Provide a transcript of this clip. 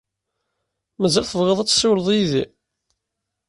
Mazal tebɣid ad tessiwled yid-i?